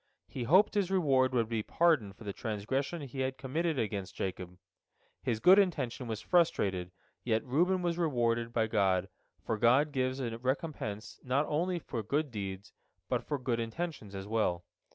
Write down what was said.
He hoped his reward would be pardon for the transgression he had committed against Jacob. His good intention was frustrated, yet Reuben was rewarded by God, for God gives a recompense not only for good deeds, but for good intentions as well.